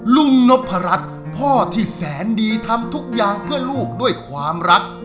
นพรัชพ่อที่แสนดีทำทุกอย่างเพื่อลูกด้วยความรัก